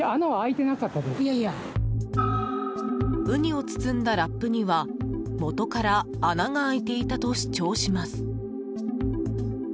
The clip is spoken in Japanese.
ウニを包んだラップにはもとから穴が開いていたと主張します。